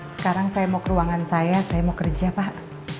sekarang saya mau ke ruangan saya saya mau kerja pak